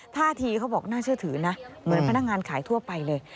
ท่าทีเขาบอกน่าเชื่อถือนะเหมือนพนักงานขายทั่วไปเลย